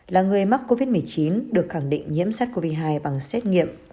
là người mắc covid một mươi chín được khẳng định nhiễm sát covid hai bằng xét nghiệm